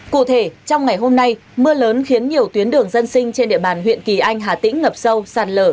cụ thể trong ngày hôm nay mưa lớn khiến nhiều tuyến đường dân sinh trên địa bàn huyện kỳ anh hà tĩnh ngập sâu sạt lở